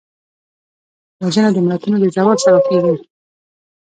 وژنه د ملتونو د زوال سبب کېږي